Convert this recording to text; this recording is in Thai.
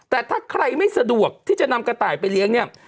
แต่ถ้าใครไม่สะดวกที่จะนำกระต่ายไปเลี้ยงเนี่ย